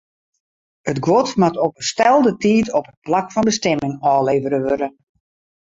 It guod moat op 'e stelde tiid op it plak fan bestimming ôflevere wurde.